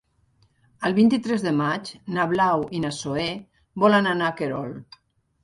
El vint-i-tres de maig na Blau i na Zoè volen anar a Querol.